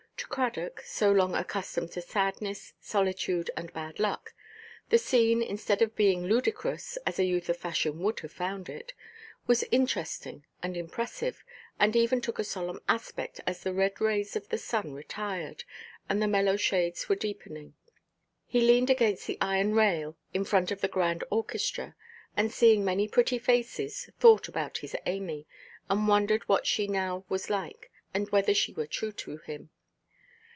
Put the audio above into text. To Cradock, so long accustomed to sadness, solitude, and bad luck, the scene, instead of being ludicrous (as a youth of fashion would have found it), was interesting and impressive, and even took a solemn aspect as the red rays of the sun retired, and the mellow shades were deepening. He leaned against the iron rail in front of the grand orchestra, and seeing many pretty faces, thought about his Amy, and wondered what she now was like, and whether she were true to him.